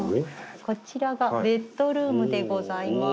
こちらがベッドルームでございます。